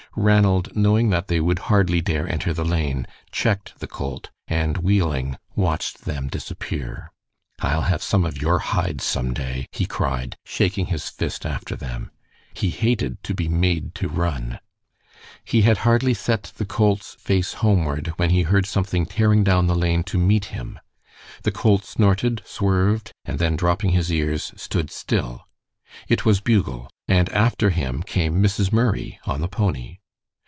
Ranald, knowing that they would hardly dare enter the lane, checked the colt, and wheeling, watched them disappear. "I'll have some of your hides some day," he cried, shaking his fist after them. He hated to be made to run. He had hardly set the colt's face homeward when he heard something tearing down the lane to meet him. The colt snorted, swerved, and then dropping his ears, stood still. It was Bugle, and after him came Mrs. Murray on the pony.